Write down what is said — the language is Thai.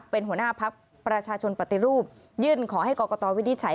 เป็นหัวหน้าพักประชาชนปฏิรูปยื่นขอให้กรกตวินิจฉัย